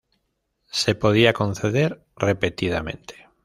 Se podía conceder repetidamente.